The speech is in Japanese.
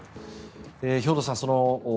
兵頭さん